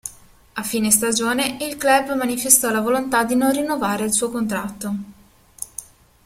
A fine stagione, il club manifestò la volontà di non rinnovare il suo contratto.